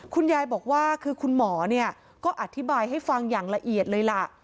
คุณยายบอกว่าคือคุณหมอเนี่ยก็อธิบายให้ฟังอย่างละเอียดเลยล่ะ